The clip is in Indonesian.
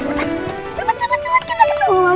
cepet cepet kita ketemu mama